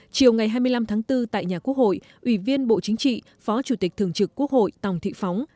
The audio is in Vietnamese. chiều ngày hai mươi năm tháng bốn tại nhà quốc hội ủy viên bộ chính trị phó chủ tịch thường trực quốc hội tòng thị phóng